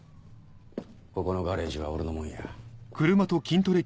ここのガレージは俺のもんや。